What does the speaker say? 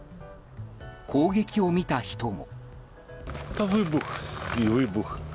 攻撃を見た人も。